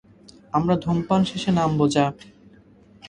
আমরা ধূমপান শেষে নামব, যা।